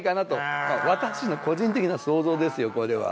私の個人的な想像ですよ。